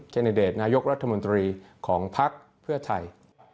เคนเดดนายกรัฐมนตรีของภาคเพื่อไทย